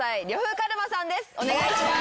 お願いします。